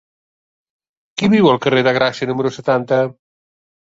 Qui viu al carrer de Gràcia número setanta?